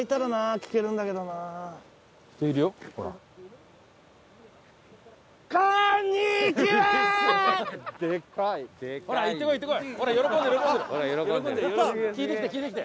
聞いてきて聞いてきて。